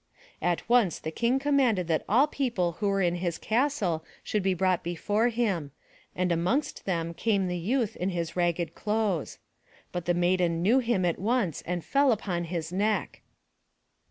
At once the King commanded that all people who were in his castle should be brought before him, and amongst them came the youth in his ragged clothes. But the Maiden knew him at once and fell upon his neck.